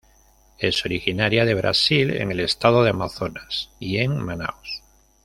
Es originaria de Brasil en el Estado de Amazonas y en Manaos.